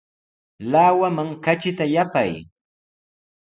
Lawaman katrita yapay.